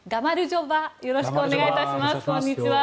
よろしくお願いします。